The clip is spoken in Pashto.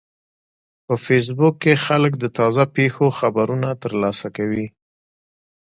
په فېسبوک کې خلک د تازه پیښو خبرونه ترلاسه کوي